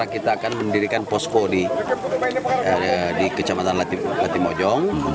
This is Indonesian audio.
kita akan mendirikan posko di kecamatan latimojong